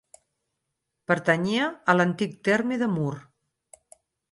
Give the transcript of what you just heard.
Pertanyia a l'antic terme de Mur.